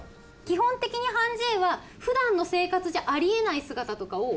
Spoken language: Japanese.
基本的に判じ絵は普段の生活じゃあり得ない姿とかを。